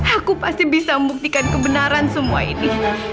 aku pasti bisa membuktikan kebenaran semua itu